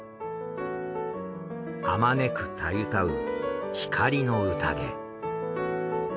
あまねくたゆたう光の宴。